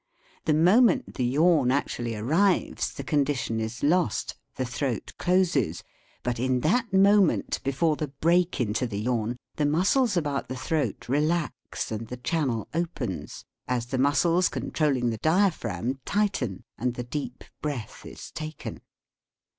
The moment the yawn actually arrives, the condition is lost, the throat closes; but in that moment before the break into the yawn, the muscles about the throat relax and the channel opens, as\ the muscles controlling the diaphragm tight \ en and the deep breath is taken.